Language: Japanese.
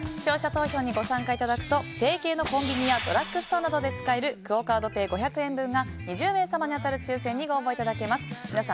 視聴者投票にご参加いただくと提携のコンビニやドラッグストアなどで使えるクオ・カードペイ５００円分が２０名様に当たる抽選にご応募いただけます。